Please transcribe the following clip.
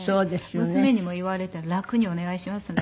娘にも言われて「楽にお願いしますね」